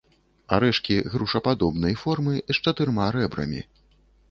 Арэшкі грушападобнай формы, з чатырма рэбрамі.